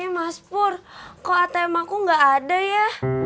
mas pur kok atm aku gak ada ya